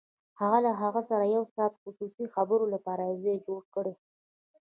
هغه له هغه سره د يو ساعته خصوصي خبرو لپاره ځای جوړ کړی و.